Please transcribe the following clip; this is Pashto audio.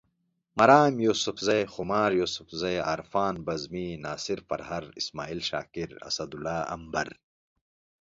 مرام یوسفزے، خمار یوسفزے، عرفان بزمي، ناصر پرهر، اسماعیل شاکر، اسدالله امبر